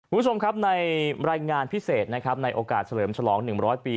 คุณผู้ชมครับในรายงานพิเศษนะครับในโอกาสเฉลิมฉลอง๑๐๐ปี